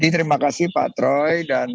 terima kasih pak troy dan